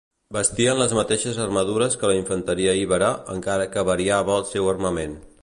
Vestien les mateixes armadures que la infanteria ibera, encara que variava el seu armament.